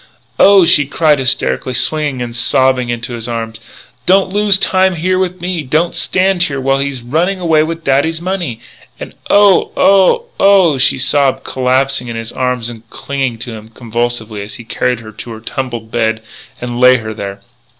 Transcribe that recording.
"Oh," she cried hysterically, twisting and sobbing in his arms, "don't lose time here with me! Don't stand here while he's running away with dad's money!" And, "Oh oh oh!!" she sobbed, collapsing in his arms and clinging to him convulsively as he carried her to her tumbled bed and laid her there.